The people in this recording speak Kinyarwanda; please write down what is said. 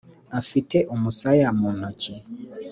afite umusaya mu ntoki